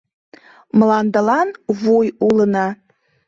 Мландылан вуй улына: